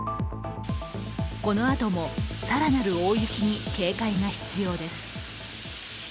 このあとも更なる大雪に警戒が必要です。